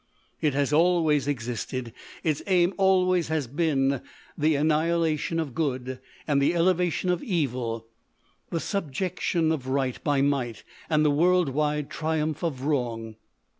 "It has always existed, its aim always has been the annihilation of good and the elevation of evil; the subjection of right by might, and the worldwide triumph of wrong.